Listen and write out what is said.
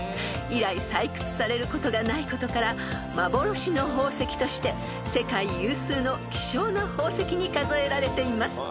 ［以来採掘されることがないことから幻の宝石として世界有数の希少な宝石に数えられています］